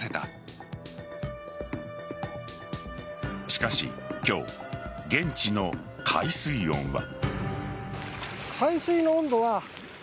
しかし今日、現地の海水温は。